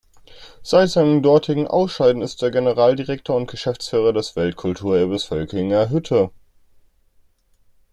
Seit seinem dortigen Ausscheiden ist er Generaldirektor und Geschäftsführer des Weltkulturerbes Völklinger Hütte.